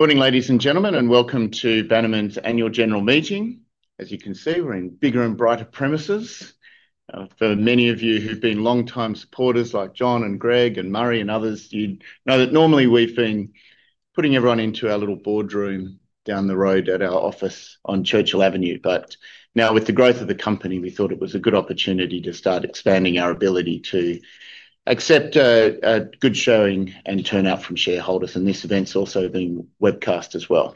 Good morning, ladies and gentlemen, and welcome to Bannerman's annual general meeting. As you can see, we're in bigger and brighter premises. For many of you who've been long-time supporters, like John and Greg and Murray and others, you know that normally we've been putting everyone into our little boardroom down the road at our office on Churchill Avenue. Now, with the growth of the company, we thought it was a good opportunity to start expanding our ability to accept good showing and turn out from shareholders. This event's also being webcast as well.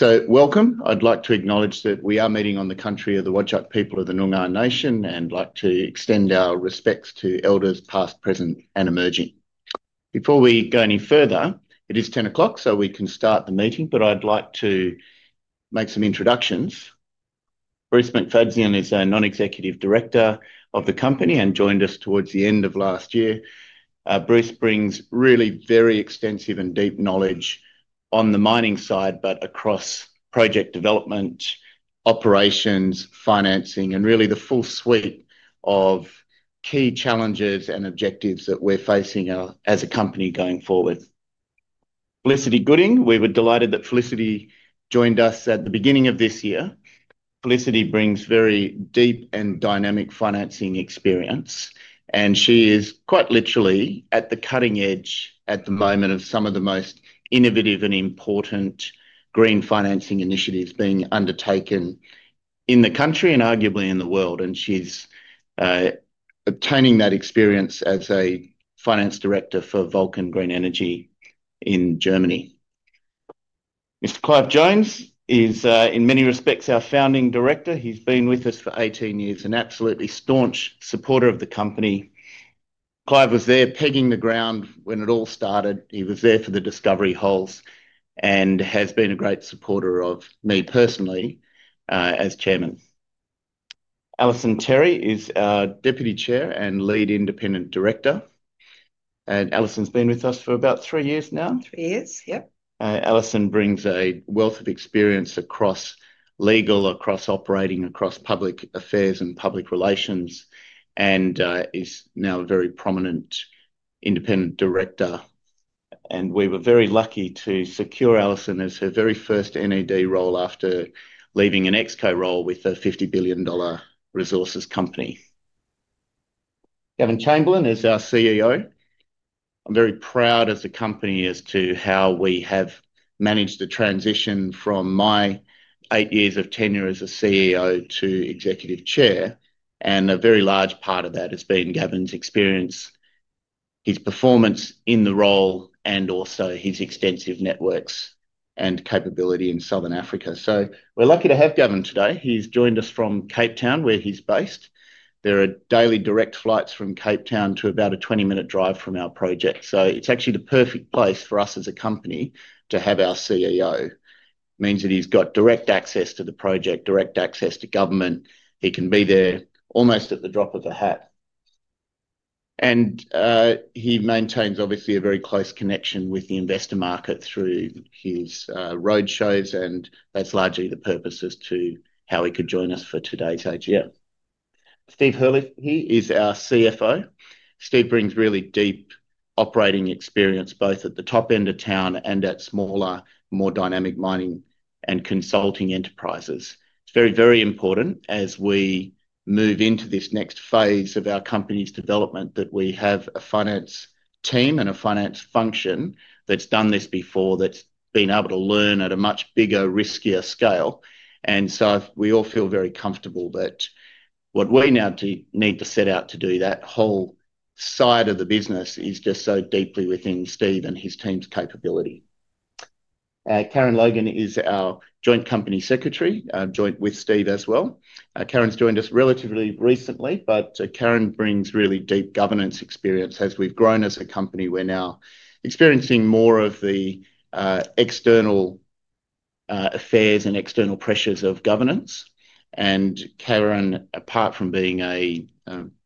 Welcome. I'd like to acknowledge that we are meeting on the country of the Wadjuk people of the Noongar Nation and like to extend our respects to elders past, present, and emerging. Before we go any further, it is 10:00 A.M., so we can start the meeting, but I'd like to make some introductions. Bruce McFadzean is our Non-Executive Director of the company and joined us towards the end of last year. Bruce brings really very extensive and deep knowledge on the mining side, but across project development, operations, financing, and really the full suite of key challenges and objectives that we're facing as a company going forward. Felicity Gooding, we were delighted that Felicity joined us at the beginning of this year. Felicity brings very deep and dynamic financing experience, and she is quite literally at the cutting edge at the moment of some of the most innovative and important green financing initiatives being undertaken in the country and arguably in the world. And she's obtaining that experience as a finance director for Vulcan Green Steel in Germany. Mr. Clive Jones is, in many respects, our founding director. He's been with us for 18 years, an absolutely staunch supporter of the company. Clive was there pegging the ground when it all started. He was there for the discovery holes and has been a great supporter of me personally as chairman. Alison Terry is our Deputy Chair and lead independent director. Alison's been with us for about three years now. Three years, yep. Alison brings a wealth of experience across legal, across operating, across public affairs and public relations, and is now a very prominent independent director. We were very lucky to secure Alison as her very first NED role after leaving an exco role with a 50 billion dollar resources company. Gavin Chamberlain is our CEO. I'm very proud as a company as to how we have managed the transition from my eight years of tenure as a CEO to executive chair. A very large part of that has been Gavin's experience, his performance in the role, and also his extensive networks and capability in Southern Africa. We are lucky to have Gavin today. He's joined us from Cape Town, where he's based. There are daily direct flights from Cape Town to about a 20-minute drive from our project. It is actually the perfect place for us as a company to have our CEO. It means that he has got direct access to the project, direct access to government. He can be there almost at the drop of a hat. He maintains, obviously, a very close connection with the investor market through his road shows. That is largely the purpose as to how he could join us for today's HR. Steve Hurley, he is our CFO. Steve brings really deep operating experience both at the top end of town and at smaller, more dynamic mining and consulting enterprises. It is very, very important as we move into this next phase of our company's development that we have a finance team and a finance function that has done this before, that has been able to learn at a much bigger, riskier scale. We all feel very comfortable that what we now need to set out to do, that whole side of the business, is just so deeply within Steve and his team's capability. Karen Logan is our joint Company Secretary, joint with Steve as well. Karen's joined us relatively recently, but Karen brings really deep governance experience. As we've grown as a company, we're now experiencing more of the external affairs and external pressures of governance. Karen, apart from being a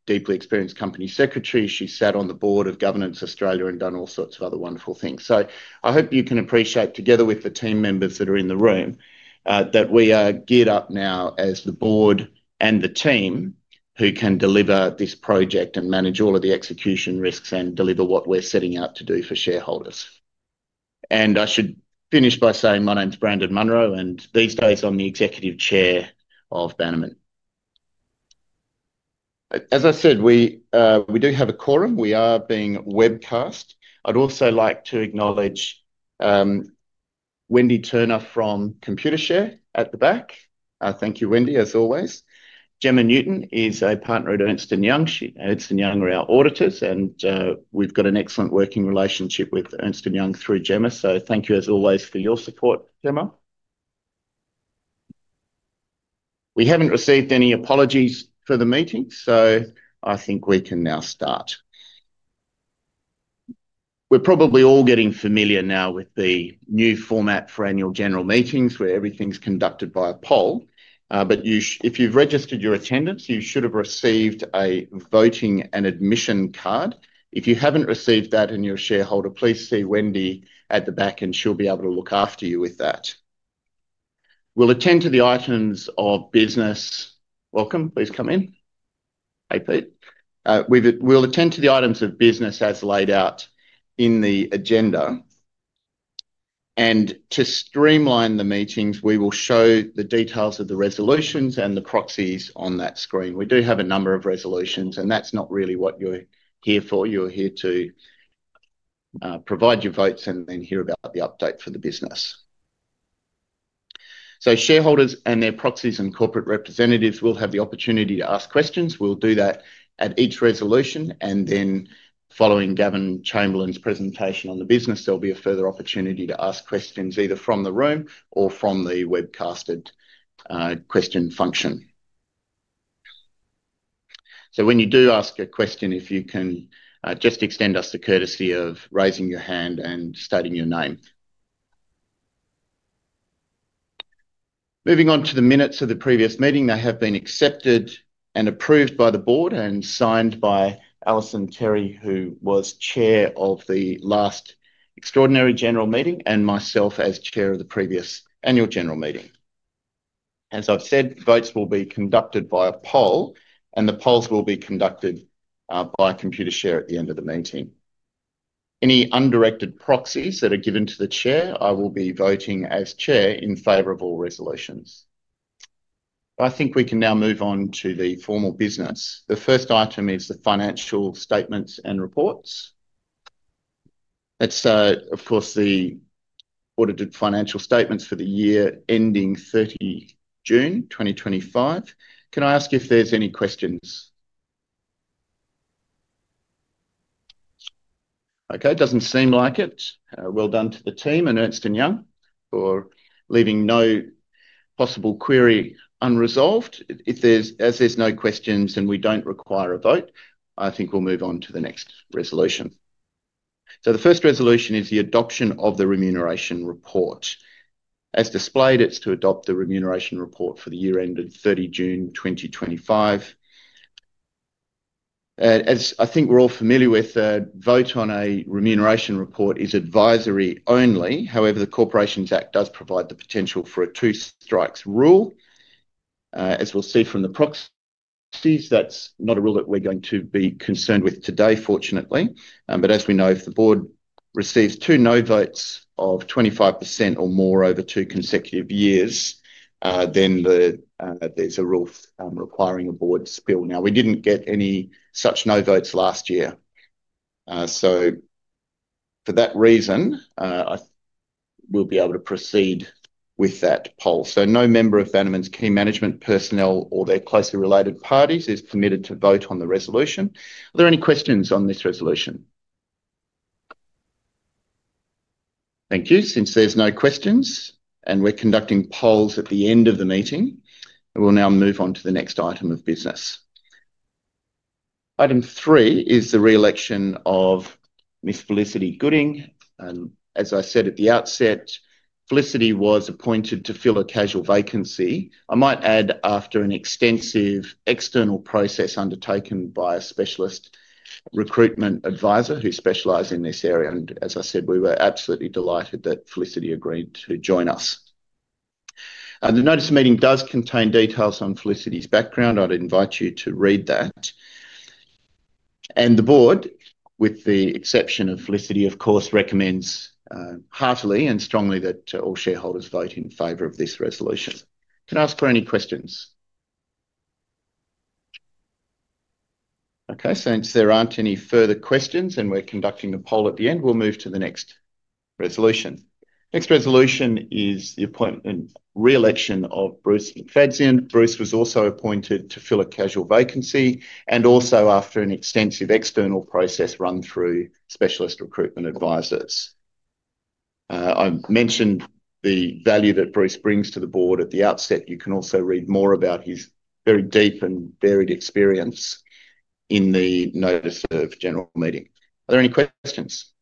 deeply experienced Company Secretary, sat on the board of Governance Australia and done all sorts of other wonderful things. I hope you can appreciate, together with the team members that are in the room, that we are geared up now as the board and the team who can deliver this project and manage all of the execution risks and deliver what we're setting out to do for shareholders. I should finish by saying my name's Brandon Munro, and these days I'm the executive chair of Bannerman. As I said, we do have a quorum. We are being webcast. I'd also like to acknowledge Wendy Turner from Computershare at the back. Thank you, Wendy, as always. Jemma Newton is a partner at Ernst & Young. Ernst & Young are our auditors, and we've got an excellent working relationship with Ernst & Young through Jemma. Thank you, as always, for your support, Jemma. We haven't received any apologies for the meeting, so I think we can now start. We're probably all getting familiar now with the new format for annual general meetings, where everything's conducted by a poll. If you've registered your attendance, you should have received a voting and admission card. If you haven't received that and you're a shareholder, please see Wendy at the back, and she'll be able to look after you with that. We'll attend to the items of business. Welcome. Please come in. Hey, Pete. We'll attend to the items of business as laid out in the agenda. To streamline the meetings, we will show the details of the resolutions and the proxies on that screen. We do have a number of resolutions, and that's not really what you're here for. You're here to provide your votes and then hear about the update for the business. Shareholders and their proxies and corporate representatives will have the opportunity to ask questions. We will do that at each resolution. Following Gavin Chamberlain's presentation on the business, there will be a further opportunity to ask questions either from the room or from the webcasted question function. When you do ask a question, if you can just extend us the courtesy of raising your hand and stating your name. Moving on to the minutes of the previous meeting, they have been accepted and approved by the board and signed by Alison Terry, who was chair of the last extraordinary general meeting, and myself as chair of the previous annual general meeting. As I have said, votes will be conducted by a poll, and the polls will be conducted by Computershare at the end of the meeting. Any undirected proxies that are given to the chair, I will be voting as chair in favor of all resolutions. I think we can now move on to the formal business. The first item is the financial statements and reports. That's, of course, the audited financial statements for the year ending 30th June 2025. Can I ask if there's any questions? Okay. Doesn't seem like it. Well done to the team and Ernst & Young for leaving no possible query unresolved. As there's no questions and we don't require a vote, I think we'll move on to the next resolution. The first resolution is the adoption of the remuneration report. As displayed, it's to adopt the remuneration report for the year ended 30th June 2025. As I think we're all familiar with, a vote on a remuneration report is advisory only. However, the Corporations Act does provide the potential for a two-strikes rule. As we'll see from the proxies, that's not a rule that we're going to be concerned with today, fortunately. As we know, if the board receives two no votes of 25% or more over two consecutive years, then there's a rule requiring a board spill. We didn't get any such no votes last year. For that reason, we'll be able to proceed with that poll. No member of Bannerman's key management personnel or their closely related parties is permitted to vote on the resolution. Are there any questions on this resolution? Thank you. Since there's no questions and we're conducting polls at the end of the meeting, we'll now move on to the next item of business. Item three is the re-election of Miss Felicity Gooding. As I said at the outset, Felicity was appointed to fill a casual vacancy. I might add, after an extensive external process undertaken by a specialist recruitment advisor who specialized in this area. As I said, we were absolutely delighted that Felicity agreed to join us. The notice meeting does contain details on Felicity's background. I'd invite you to read that. The board, with the exception of Felicity, of course, recommends heartily and strongly that all shareholders vote in favor of this resolution. Can I ask for any questions? Okay. Since there aren't any further questions and we're conducting a poll at the end, we'll move to the next resolution. The next resolution is the re-election of Bruce McFadzean. Bruce was also appointed to fill a casual vacancy and also after an extensive external process run through specialist recruitment advisors. I mentioned the value that Bruce brings to the board at the outset. You can also read more about his very deep and varied experience in the notice of general meeting. Are there any questions?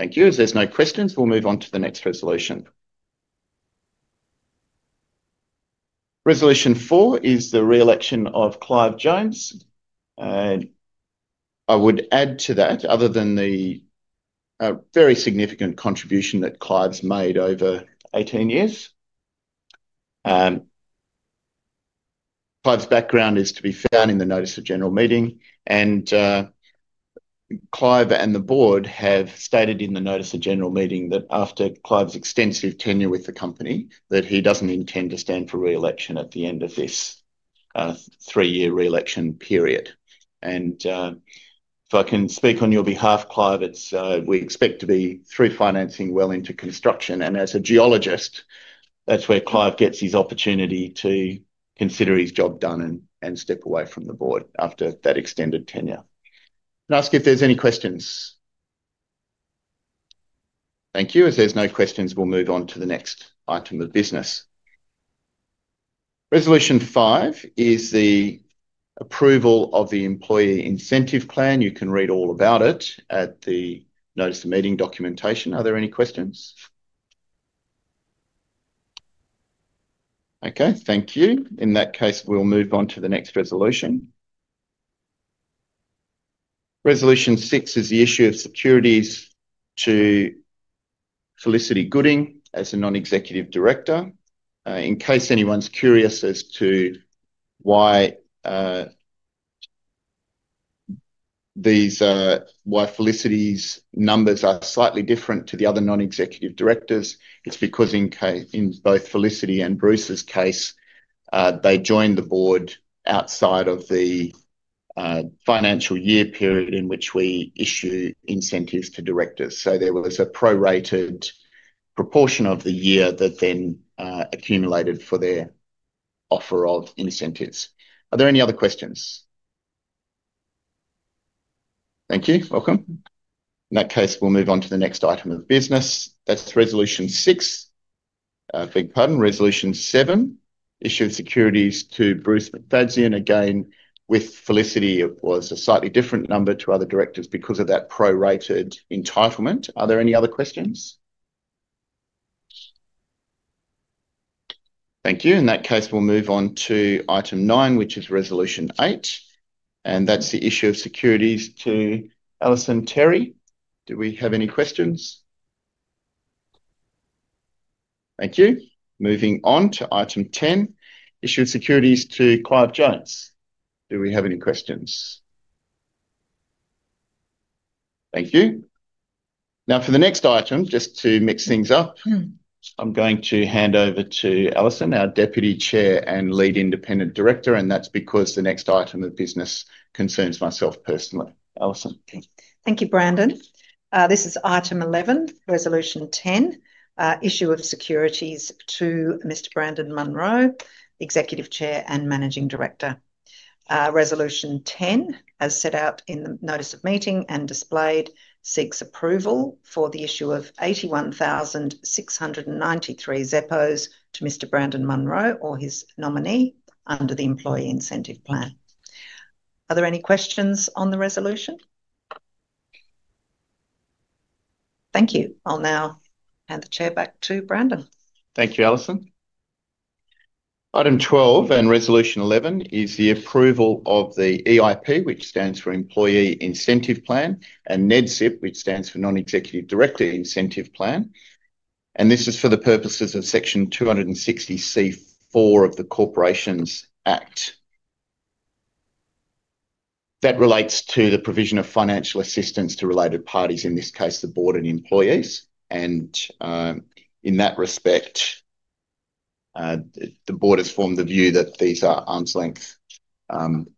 Thank you. If there's no questions, we'll move on to the next resolution. Resolution four is the re-election of Clive Jones. I would add to that, other than the very significant contribution that Clive's made over 18 years, Clive's background is to be found in the notice of general meeting. Clive and the board have stated in the notice of general meeting that after Clive's extensive tenure with the company, that he doesn't intend to stand for re-election at the end of this three-year re-election period. If I can speak on your behalf, Clive, we expect to be through financing well into construction. As a geologist, that's where Clive gets his opportunity to consider his job done and step away from the board after that extended tenure. Can I ask if there's any questions? Thank you. If there's no questions, we'll move on to the next item of business. Resolution five is the approval of the employee incentive plan. You can read all about it at the notice of meeting documentation. Are there any questions? Okay. Thank you. In that case, we'll move on to the next resolution. Resolution six is the issue of securities to Felicity Gooding as a non-executive director. In case anyone's curious as to why Felicity's numbers are slightly different to the other non-executive directors, it's because in both Felicity and Bruce's case, they joined the board outside of the Financial Year Period in which we issue incentives to directors. So there was a prorated proportion of the year that then accumulated for their offer of incentives. Are there any other questions? Thank you. Welcome. In that case, we'll move on to the next item of business. That's resolution six. I think, pardon, resolution seven, issued securities to Bruce McFadzean. Again, with Felicity, it was a slightly different number to other directors because of that prorated entitlement. Are there any other questions? Thank you. In that case, we'll move on to item nine, which is resolution eight. And that's the issue of securities to Alison Terry. Do we have any questions? Thank you. Moving on to item ten, issued securities to Clive Jones. Do we have any questions? Thank you. Now, for the next item, just to mix things up, I'm going to hand over to Alison, our Deputy Chair and lead independent director. That's because the next item of business concerns myself personally. Alison. Thank you, Brandon. This is item 11, resolution 10, issue of securities to Mr. Brandon Munro, Executive Chair and Managing Director. Resolution 10, as set out in the notice of meeting and displayed, seeks approval for the issue of 81,693 ZEPOs to Mr. Brandon Munro or his nominee under the employee incentive plan. Are there any questions on the resolution? Thank you. I'll now hand the chair back to Brandon. Thank you, Alison. Item 12 and resolution 11 is the approval of the EIP, which stands for employee incentive plan, and NEDSIP, which stands for non-executive director incentive plan. This is for the purposes of section 260C(4) of the Corporations Act. That relates to the provision of financial assistance to related parties, in this case, the board and employees. In that respect, the board has formed the view that these are arm's length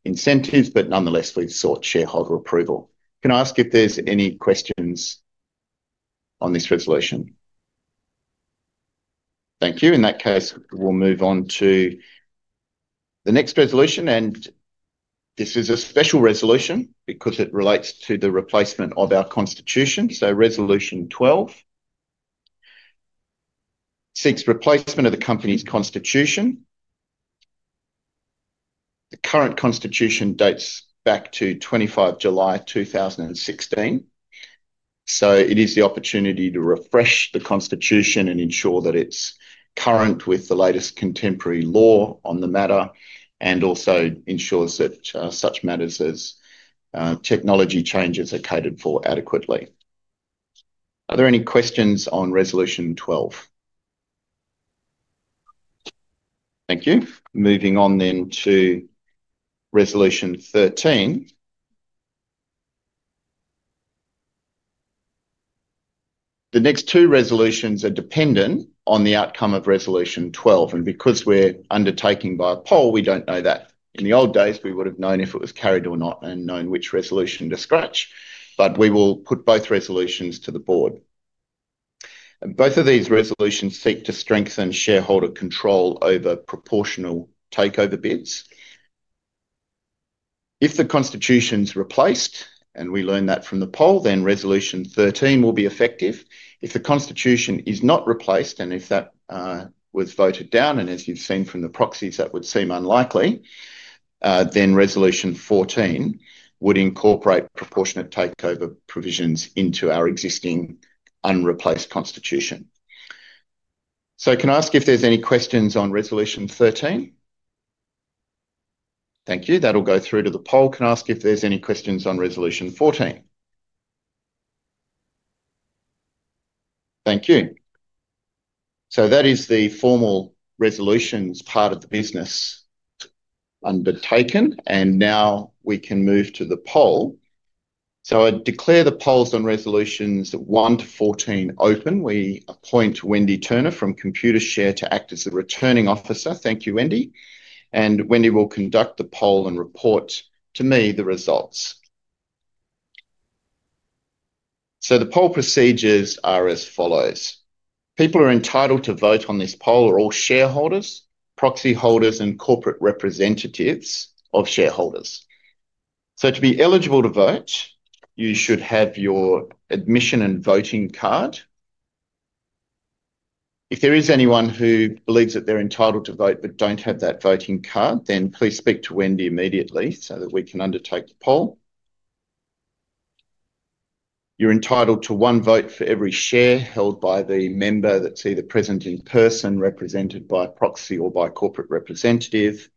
incentives, but nonetheless, we've sought shareholder approval. Can I ask if there's any questions on this resolution? Thank you. In that case, we'll move on to the next resolution. This is a special resolution because it relates to the replacement of our constitution. Resolution 12 seeks replacement of the company's constitution. The current constitution dates back to 25th July 2016. It is the opportunity to refresh the constitution and ensure that it's current with the latest contemporary law on the matter and also ensures that such matters as technology changes are catered for adequately. Are there any questions on resolution 12? Thank you. Moving on then to resolution 13. The next two resolutions are dependent on the outcome of resolution 12. Because we're undertaken by a poll, we don't know that. In the old days, we would have known if it was carried or not and known which resolution to scratch. We will put both resolutions to the board. Both of these resolutions seek to strengthen shareholder control over proportional takeover bids. If the constitution is replaced, and we learned that from the poll, then resolution 13 will be effective. If the constitution is not replaced, and if that was voted down, and as you have seen from the proxies, that would seem unlikely, then resolution 14 would incorporate proportionate takeover provisions into our existing unreplaced constitution. Can I ask if there are any questions on resolution 13? Thank you. That will go through to the poll. Can I ask if there are any questions on resolution 14? Thank you. That is the formal resolutions part of the business undertaken. We can move to the poll. I declare the polls on resolutions 1 to 14 open. We appoint Wendy Turner from Computershare to act as the returning officer. Thank you, Wendy. Wendy will conduct the poll and report to me the results. The poll procedures are as follows. People entitled to vote on this poll are all shareholders, proxy holders, and corporate representatives of shareholders. To be eligible to vote, you should have your admission and voting card. If there is anyone who believes that they're entitled to vote but does not have that voting card, please speak to Wendy immediately so that we can undertake the poll. You're entitled to one vote for every share held by the member that's either present in person, represented by a proxy, or by a Corporate representative.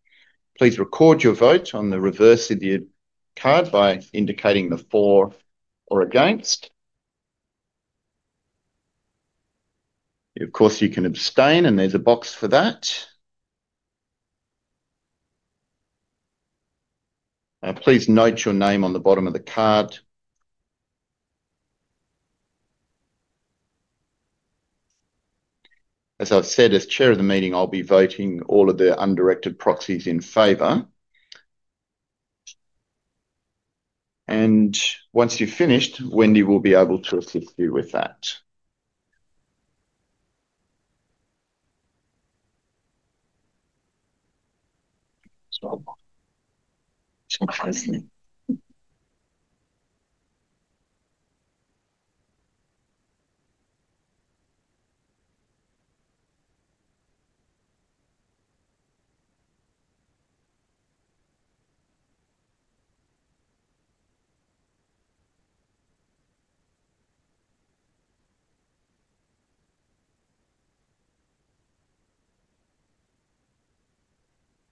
Please record your vote on the reverse of your card by indicating the for or against. Of course, you can abstain, and there's a box for that. Please note your name on the bottom of the card. As I've said, as Chair of the meeting, I'll be voting all of the undirected proxies in favor. Once you've finished, Wendy will be able to assist you with that.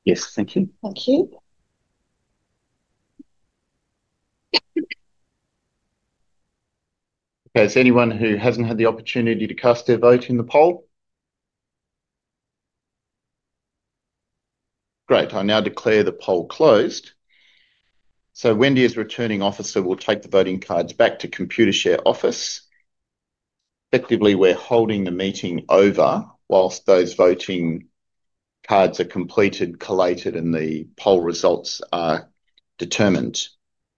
Yes. Thank you. Thank you. Okay. Is there anyone who hasn't had the opportunity to cast their vote in the poll? Great. I now declare the poll closed. Wendy as returning officer will take the voting cards back to Computershare office. Effectively, we're holding the meeting over whilst those voting cards are completed, collated, and the poll results are determined.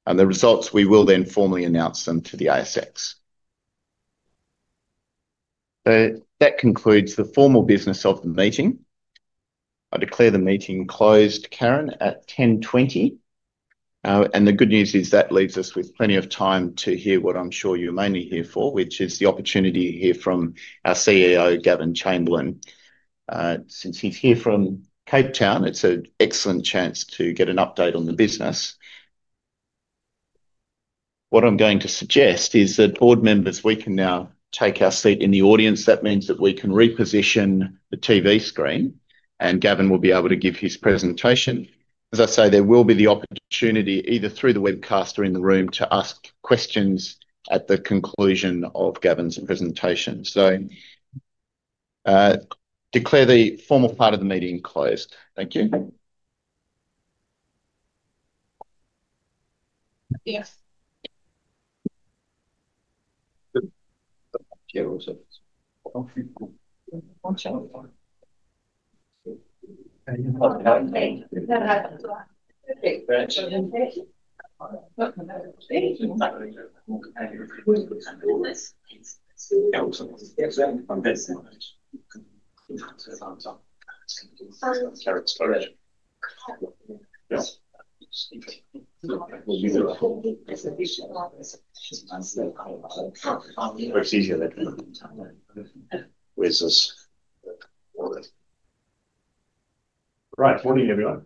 The results, we will then formally announce them to the ASX. That concludes the formal business of the meeting. I declare the meeting closed, Karen, at 10:20 A.M. The good news is that leaves us with plenty of time to hear what I'm sure you're mainly here for, which is the opportunity to hear from our CEO, Gavin Chamberlain. Since he's here from Cape Town, it's an excellent chance to get an update on the business. What I'm going to suggest is that board members, we can now take our seat in the audience. That means that we can reposition the TV screen, and Gavin will be able to give his presentation. As I say, there will be the opportunity either through the webcast or in the room to ask questions at the conclusion of Gavin's presentation. I declare the formal part of the meeting closed. Thank you. Right. Morning, everyone.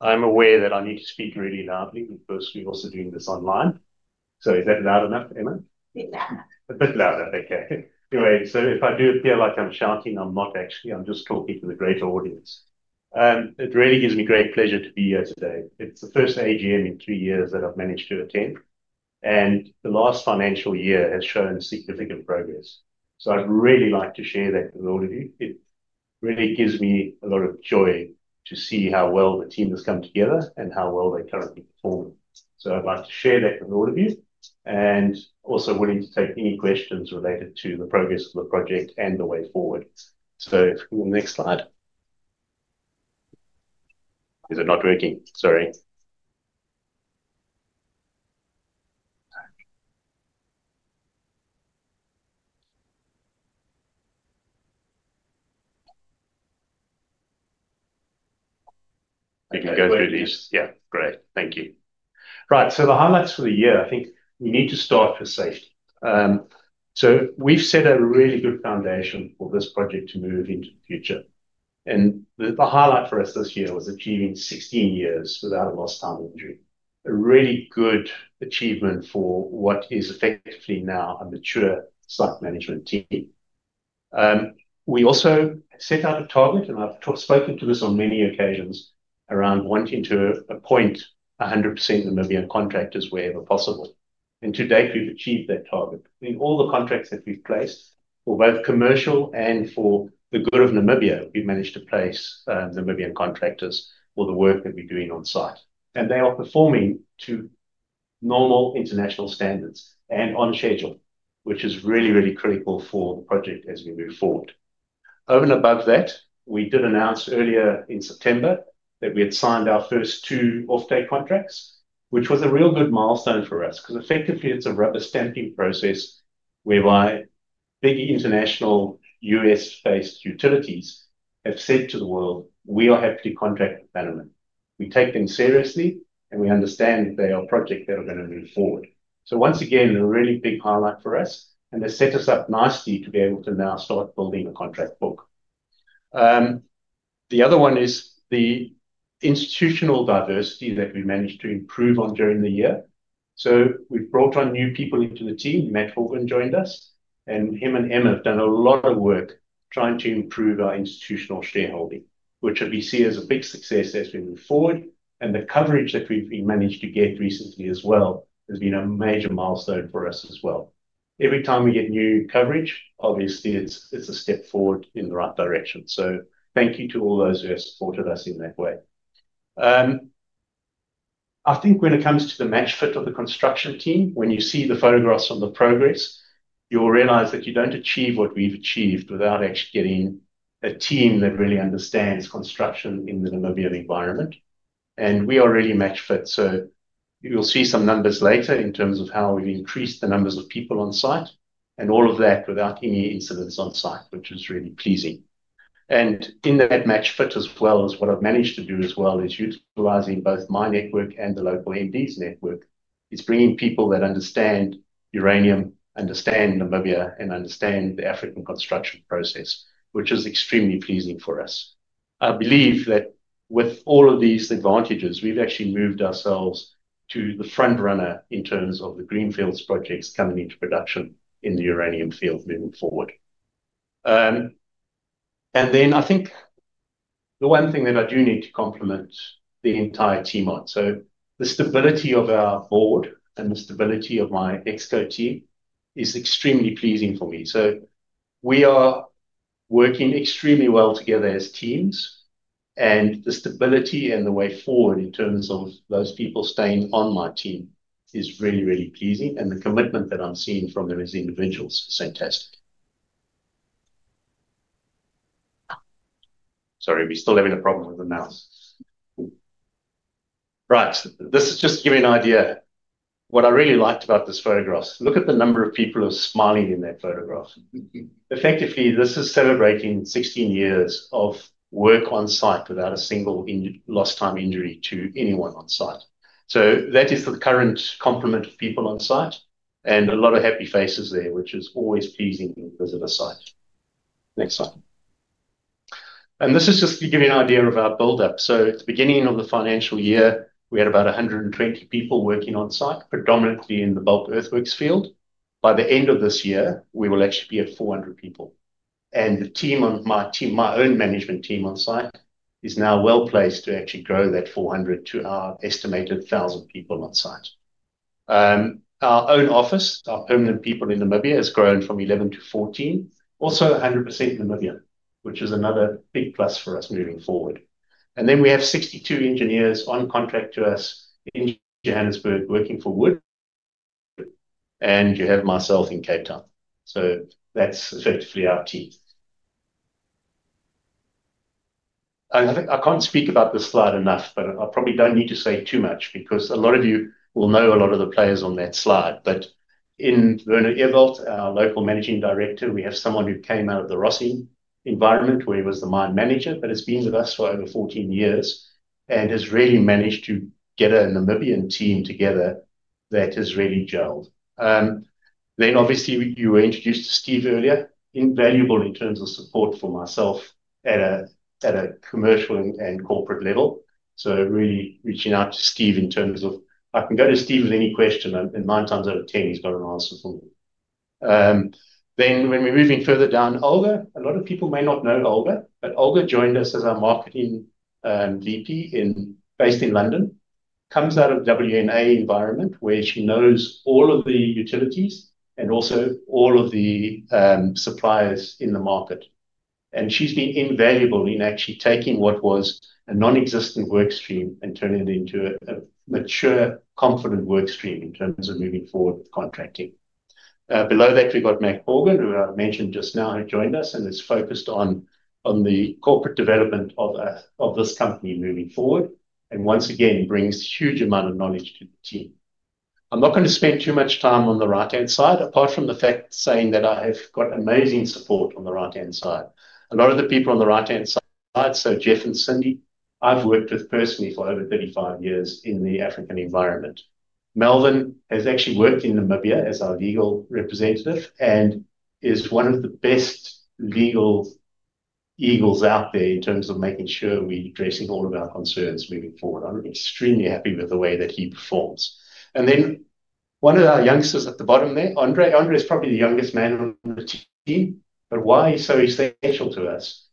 I'm aware that I need to speak really loudly because we're also doing this online. Is that loud enough, Emma? A bit louder. A bit louder. Okay. Anyway, if I do appear like I'm shouting, I'm not actually. I'm just talking to the greater audience. It really gives me great pleasure to be here today. It's the first AGM in three years that I've managed to attend. The last Financial Year has shown significant progress. I would really like to share that with all of you. It really gives me a lot of joy to see how well the team has come together and how well they're currently performing. I would like to share that with all of you and also willing to take any questions related to the progress of the project and the way forward. Next slide. Is it not working? Sorry. We can go through this. Yeah. Great. Thank you. Right. The highlights for the year, I think we need to start with safety. We have set a really good foundation for this project to move into the future. The highlight for us this year was achieving 16 years without a lost time injury. A really good achievement for what is effectively now a mature site management team. We also set out a target, and I have spoken to this on many occasions, around wanting to appoint 100% Namibian contractors wherever possible. To date, we have achieved that target. In all the contracts that we have placed, for both commercial and for the good of Namibia, we have managed to place Namibian contractors for the work that we are doing on site. They are performing to normal international standards and on schedule, which is really, really critical for the project as we move forward. Over and above that, we did announce earlier in September that we had signed our first two off-take contracts, which was a real good milestone for us because effectively, it is a rubber-stamping process whereby big international U.S.-based utilities have said to the world, "We are happy to contract with Bannerman. We take them seriously, and we understand they are a project that are going to move forward." Once again, a really big highlight for us. They set us up nicely to be able to now start building a contract book. The other one is the institutional diversity that we managed to improve on during the year. We have brought on new people into the team. Matt Horgan joined us. Him and Emma have done a lot of work trying to improve our institutional shareholding, which we see as a big success as we move forward. The coverage that we've managed to get recently as well has been a major milestone for us as well. Every time we get new coverage, obviously, it's a step forward in the right direction. Thank you to all those who have supported us in that way. I think when it comes to the match fit of the construction team, when you see the photographs of the progress, you'll realize that you don't achieve what we've achieved without actually getting a team that really understands construction in the Namibian environment. We are really match fit. You'll see some numbers later in terms of how we've increased the numbers of people on site and all of that without any incidents on site, which is really pleasing. In that match fit as well, what I've managed to do as well is utilizing both my network and the local MD's network. It's bringing people that understand uranium, understand Namibia, and understand the African construction process, which is extremely pleasing for us. I believe that with all of these advantages, we've actually moved ourselves to the front runner in terms of the greenfields projects coming into production in the uranium field moving forward. I think the one thing that I do need to compliment the entire team on is the stability of our board and the stability of my exco team, which is extremely pleasing for me. We are working extremely well together as teams. The stability and the way forward in terms of those people staying on my team is really, really pleasing. The commitment that I'm seeing from them as individuals is fantastic. Sorry, we're still having a problem with the mouse. Right. This is just to give you an idea. What I really liked about this photograph, look at the number of people who are smiling in that photograph. Effectively, this is celebrating 16 years of work on site without a single lost time injury to anyone on site. That is the current complement of people on site. A lot of happy faces there, which is always pleasing to visit a site. Next slide. This is just to give you an idea of our build-up. At the beginning of the financial year, we had about 120 people working on site, predominantly in the bulk earthworks field. By the end of this year, we will actually be at 400 people. The team on my own management team on site is now well placed to actually grow that 400 to our estimated 1,000 people on site. Our own office, our permanent people in Namibia, has grown from 11 to 14, also 100% Namibian, which is another big plus for us moving forward. We have 62 engineers on contract to us in Johannesburg working for Wood, and you have myself in Cape Town. That is effectively our team. I cannot speak about this slide enough, but I probably do not need to say too much because a lot of you will know a lot of the players on that slide. In Werner Ehrwald, our local managing director, we have someone who came out of the Rössing environment where he was the mine manager, but has been with us for over 14 years and has really managed to get a Namibian team together that has really gelled. Obviously, you were introduced to Steve earlier, invaluable in terms of support for myself at a commercial and corporate level. Really reaching out to Steve in terms of I can go to Steve with any question. Nine times out of 10, he's got an answer for me. When we're moving further down, Olga. A lot of people may not know Olga, but Olga joined us as our Marketing VP based in London. Comes out of the WNA environment where she knows all of the utilities and also all of the suppliers in the market. She has been invaluable in actually taking what was a non-existent workstream and turning it into a mature, confident workstream in terms of moving forward with contracting. Below that, we have Matt Corgan, who I mentioned just now, who joined us and is focused on the corporate development of this company moving forward and once again brings a huge amount of knowledge to the team. I am not going to spend too much time on the right-hand side, apart from the fact saying that I have amazing support on the right-hand side. A lot of the people on the right-hand side, so Jeff and Cindy, I have worked with personally for over 35 years in the African environment. Melvin has actually worked in Namibia as our legal representative and is one of the best legal Eagles out there in terms of making sure we are addressing all of our concerns moving forward. I'm extremely happy with the way that he performs. One of our youngsters at the bottom there, Andrey, Andrey is probably the youngest man on the team, but why he's so essential to us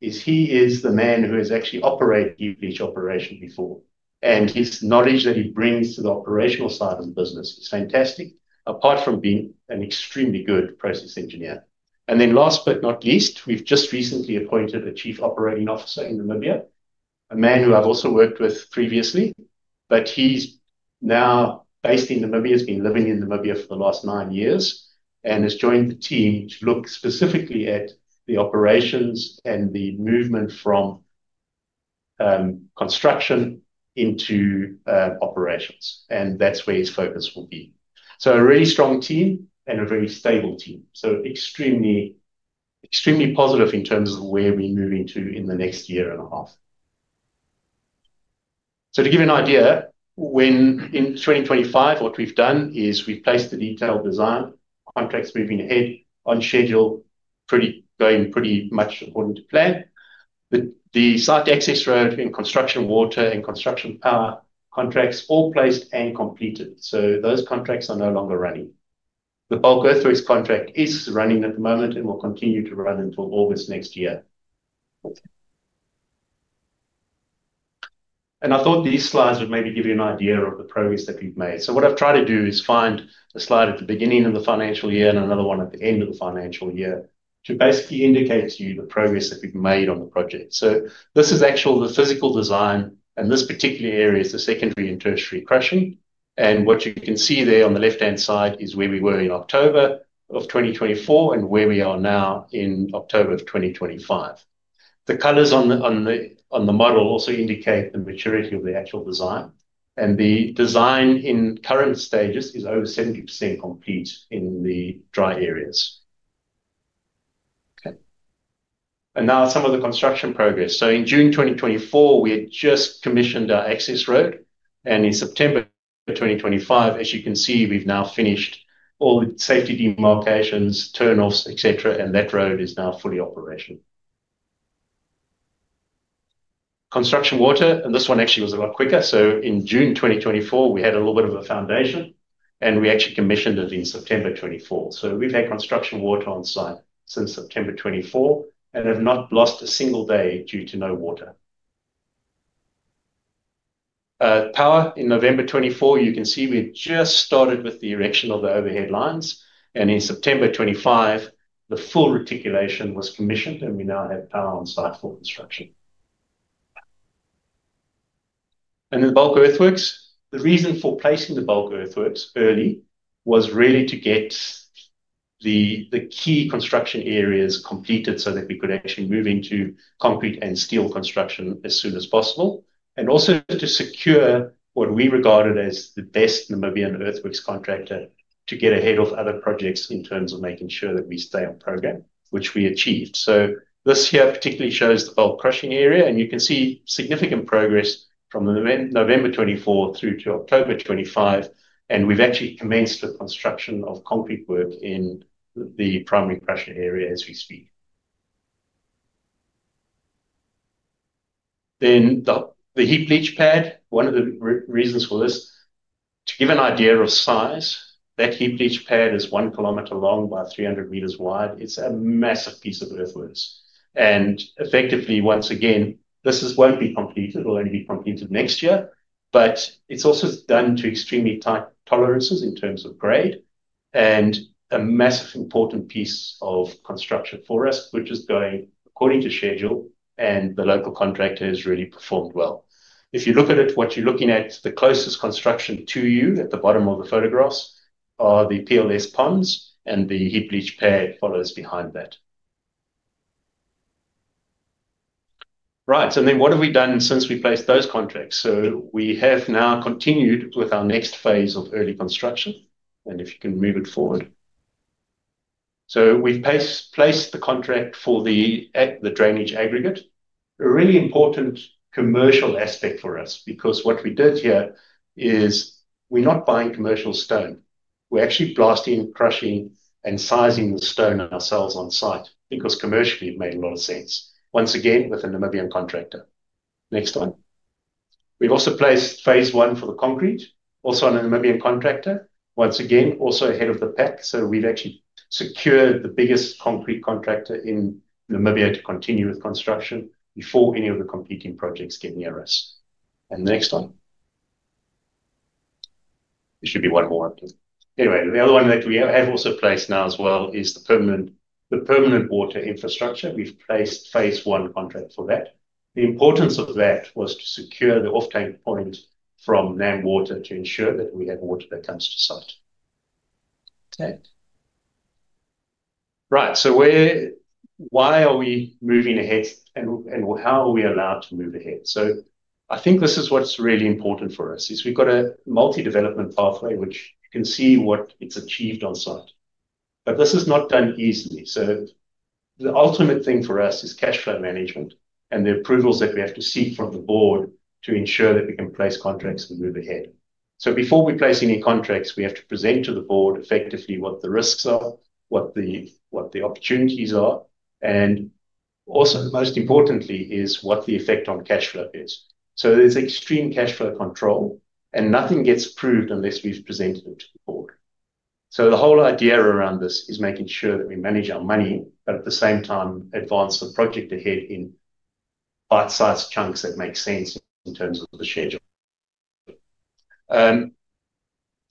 is he is the man who has actually operated each operation before. His knowledge that he brings to the operational side of the business is fantastic, apart from being an extremely good process engineer. Last but not least, we've just recently appointed a Chief Operating Officer in Namibia, a man who I've also worked with previously, but he's now based in Namibia, has been living in Namibia for the last nine years, and has joined the team to look specifically at the operations and the movement from construction into operations. That's where his focus will be. A really strong team and a very stable team. Extremely, extremely positive in terms of where we're moving to in the next year and a half. To give you an idea, in 2025, what we've done is we've placed the detailed design, contracts moving ahead on schedule, going pretty much according to plan. The site access road and construction water and construction power contracts all placed and completed. Those contracts are no longer running. The bulk earthworks contract is running at the moment and will continue to run until August next year. I thought these slides would maybe give you an idea of the progress that we've made. What I've tried to do is find a slide at the beginning of the financial year and another one at the end of the financial year to basically indicate to you the progress that we've made on the project. This is actually the physical design, and this particular area is the secondary and tertiary crushing. What you can see there on the left-hand side is where we were in October 2024 and where we are now in October 2025. The colors on the model also indicate the maturity of the actual design. The design in current stages is over 70% complete in the dry areas. Okay. Now some of the construction progress. In June 2024, we had just commissioned our access road. In September 2025, as you can see, we have now finished all the safety demarcations, turn-offs, etc., and that road is now fully operational. Construction water, and this one actually was a lot quicker. In June 2024, we had a little bit of a foundation, and we actually commissioned it in September 2024. We have had construction water on site since September 2024 and have not lost a single day due to no water. Power in November 2024, you can see we have just started with the erection of the overhead lines. In September 2025, the full reticulation was commissioned, and we now have power on site for construction. The bulk earthworks, the reason for placing the bulk earthworks early was really to get the key construction areas completed so that we could actually move into concrete and steel construction as soon as possible. Also, to secure what we regarded as the best Namibian earthworks contractor to get ahead of other projects in terms of making sure that we stay on program, which we achieved. This here particularly shows the bulk crushing area, and you can see significant progress from November 2024 through to October 2025. We have actually commenced the construction of concrete work in the primary crushing area as we speak. The heap leach pad, one of the reasons for this, to give an idea of size, that heap leach pad is 1 kilometre long by 300 metres wide. It is a massive piece of earthworks. Effectively, once again, this will not be completed. It will only be completed next year. It is also done to extremely tight tolerances in terms of grade. A massively important piece of construction for us, which is going according to schedule, and the local contractor has really performed well. If you look at it, what you are looking at, the closest construction to you at the bottom of the photographs are the PLS ponds, and the heap leach pad follows behind that. Right. What have we done since we placed those contracts? We have now continued with our next phase of early construction. If you can move it forward. We've placed the contract for the drainage aggregate. A really important commercial aspect for us because what we did here is we're not buying commercial stone. We're actually blasting, crushing, and sizing the stone ourselves on site because commercially it made a lot of sense. Once again, with a Namibian contractor. Next one. We've also placed phase one for the concrete, also on a Namibian contractor. Once again, also ahead of the pack. We've actually secured the biggest concrete contractor in Namibia to continue with construction before any of the competing projects get near us. Next one. There should be one more. Anyway, the other one that we have also placed now as well is the permanent water infrastructure. We've placed phase one contract for that. The importance of that was to secure the off-take point from NAM Water to ensure that we have water that comes to site. Okay. Right. Why are we moving ahead and how are we allowed to move ahead? I think this is what's really important for us is we've got a multi-development pathway, which you can see what it's achieved on site. This is not done easily. The ultimate thing for us is cash flow management and the approvals that we have to seek from the board to ensure that we can place contracts and move ahead. Before we place any contracts, we have to present to the board effectively what the risks are, what the opportunities are, and also most importantly is what the effect on cash flow is. There is extreme cash flow control and nothing gets approved unless we have presented it to the board. The whole idea around this is making sure that we manage our money, but at the same time advance the project ahead in bite-sized chunks that make sense in terms of the schedule.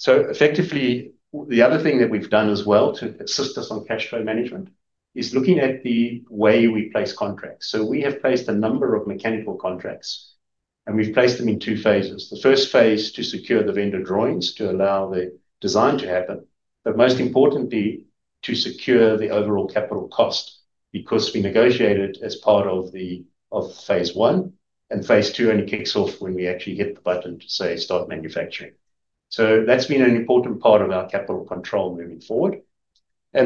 Effectively, the other thing that we have done as well to assist us on cash flow management is looking at the way we place contracts. We have placed a number of mechanical contracts and we have placed them in two phases. The first phase is to secure the vendor drawings to allow the design to happen, but most importantly to secure the overall capital cost because we negotiated as part of phase one and phase two only kicks off when we actually hit the button to say start manufacturing. That's been an important part of our capital control moving forward. I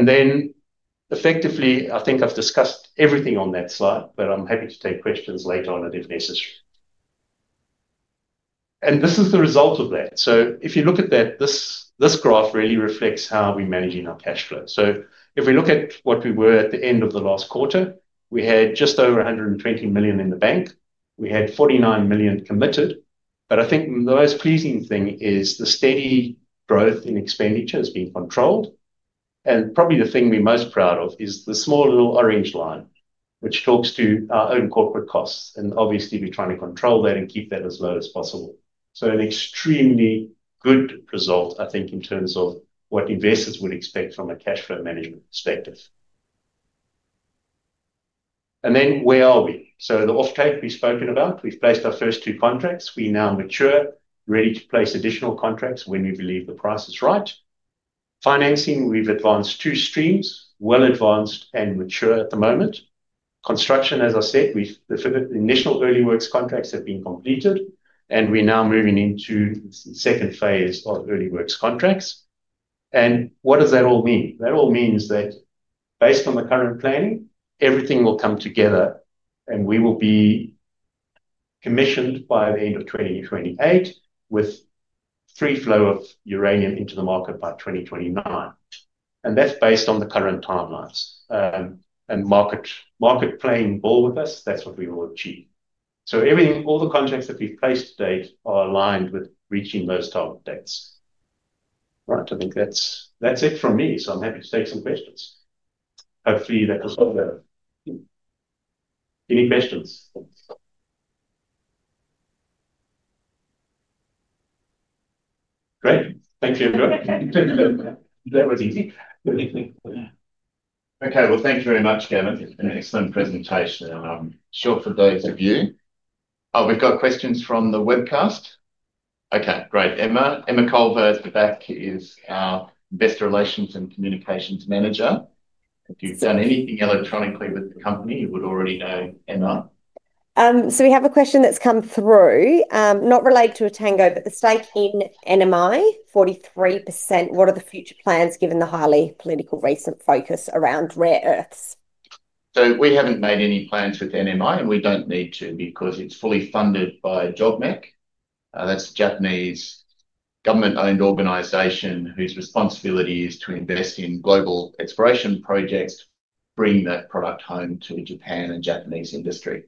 think I've discussed everything on that slide, but I'm happy to take questions later on if necessary. This is the result of that. If you look at that, this graph really reflects how we're managing our cash flow. If we look at what we were at the end of the last quarter, we had just over 120 million in the bank. We had 49 million committed. I think the most pleasing thing is the steady growth in expenditure has been controlled. Probably the thing we're most proud of is the small little orange line, which talks to our own corporate costs. Obviously, we're trying to control that and keep that as low as possible. An extremely good result, I think, in terms of what investors would expect from a cash flow management perspective. Where are we? The off-take we've spoken about, we've placed our first two contracts. We now mature, ready to place additional contracts when we believe the price is right. Financing, we've advanced two streams, well advanced and mature at the moment. Construction, as I said, the initial early works contracts have been completed and we're now moving into the second phase of early works contracts. What does that all mean? That all means that based on the current planning, everything will come together and we will be commissioned by the end of 2028 with free flow of uranium into the market by 2029. That's based on the current timelines. Market playing ball with us, that's what we will achieve. So all the contracts that we've placed to date are aligned with reaching those target dates. All right. I think that's it from me. I'm happy to take some questions. Hopefully, that'll solve any questions. Great. Thank you, everyone. That was easy. Thank you very much, Gavin. It's been an excellent presentation. Short for those of you. Oh, we've got questions from the webcast. Great. Emma Culver at the back is our Investor Relations and Communications Manager. If you've done anything electronically with the company, you would already know Emma. We have a question that's come through, not related to Etango, but the stake in NMI, 43%. What are the future plans given the highly political recent focus around rare earths? We haven't made any plans with NMI, and we don't need to because it's fully funded by JOGMEC. That's a Japanese government-owned organisation whose responsibility is to invest in global exploration projects, bring that product home to Japan and Japanese industry.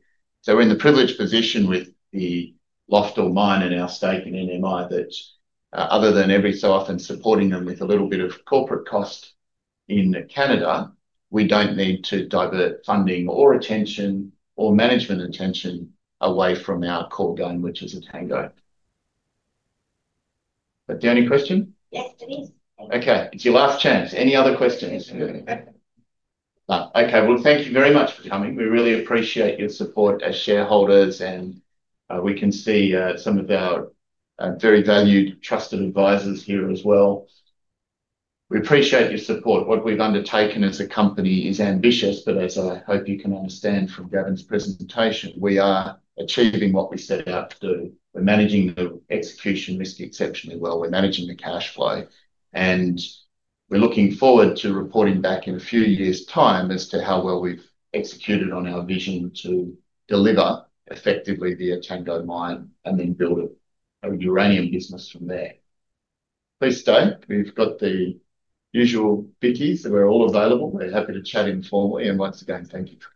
We are in the privileged position with the Loftall mine and our stake in NMI that other than every so often supporting them with a little bit of corporate cost in Canada, we do not need to divert funding or attention or management attention away from our core game, which is Etango. Do you have any questions? Yes, please. Okay. It is your last chance. Any other questions? Okay. Thank you very much for coming. We really appreciate your support as shareholders, and we can see some of our very valued trusted advisors here as well. We appreciate your support. What we've undertaken as a company is ambitious, but as I hope you can understand from Gavin's presentation, we are achieving what we set out to do. We're managing the execution risk exceptionally well. We're managing the cash flow. We are looking forward to reporting back in a few years' time as to how well we've executed on our vision to deliver effectively via Etango mine and then build a Uranium business from there. Please stay. We've got the usual biggies that we're all available. We're happy to chat informally. Once again, thank you for.